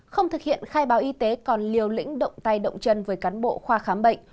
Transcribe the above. không thực hiện khai báo y tế còn liều lĩnh động tay động chân với cán bộ khoa khám bệnh